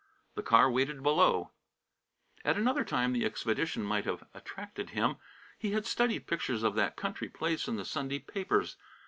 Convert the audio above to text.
The car waited below. At another time the expedition might have attracted him. He had studied pictures of that country place in the Sunday papers.